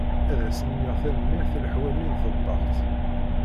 Ad asen-iniɣ tanemmirt i leḥwal-nni n tḍebbaxt.